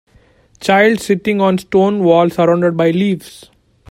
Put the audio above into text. child sitting on stone wall surrounded by leaves